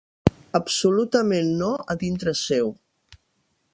Absolutament no a dintre seu.